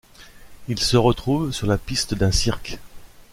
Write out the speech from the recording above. Il se retrouve sur la piste d'un cirque.